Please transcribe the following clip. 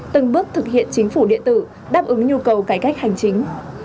từng bước thực hiện chính phủ điện tử đáp ứng nhu cầu cải cách hành chính